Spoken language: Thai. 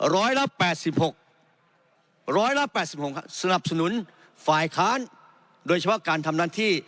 ร้อยละ๘๖๑๘๖สนับสนุนฝ่ายค้านโดยเฉพาะการทำหน้าที่